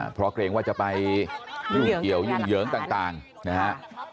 เพราะเกรงว่าจะไปยุ่งเกี่ยวยุ่งเหยิงต่างนะฮะ